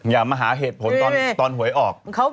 อย่ามาหาเหตุผลตอนหวยออกเฮ้เฮเฮ